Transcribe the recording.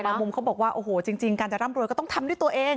มุมเขาบอกว่าโอ้โหจริงการจะร่ำรวยก็ต้องทำด้วยตัวเอง